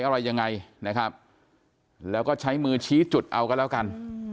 อะไรยังไงนะครับแล้วก็ใช้มือชี้จุดเอากันแล้วกัน